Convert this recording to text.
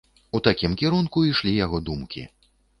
У такім кірунку ішлі яго думкі.